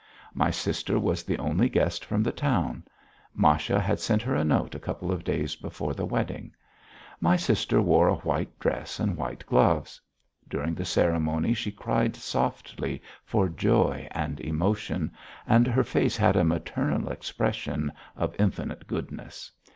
My sister was the only guest from the town. Masha had sent her a note a couple of days before the wedding. My sister wore a white dress and white gloves.... During the ceremony she cried softly for joy and emotion, and her face had a maternal expression of infinite goodness.